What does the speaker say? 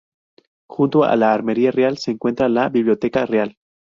Junto a la Armería Real se encuentra la Biblioteca Real.